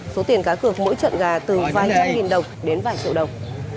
số tiền cá cược mỗi trận gà từ vài trăm nghìn đồng đến vài triệu đồng